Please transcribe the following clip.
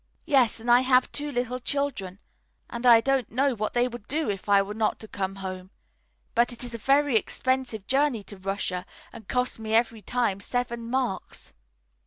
"Yes, and I have two little children, and I don't know what they would do if I were not to come home. But it is a very expensive journey to Russia, and costs me every time seven marks."